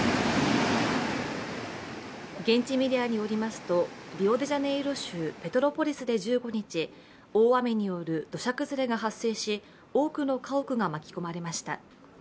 現地メディアによりますと、リオデジャネイロ州ペトロポリスで１５日、１５日、大雨による土砂崩れが発生し多くの家屋が巻き込まれました。